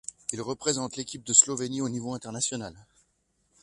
Il représente l'équipe de Slovénie au niveau international.